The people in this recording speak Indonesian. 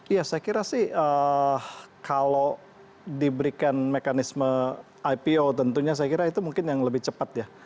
ya saya kira sih kalau diberikan mekanisme ipo tentunya saya kira itu mungkin yang lebih cepat ya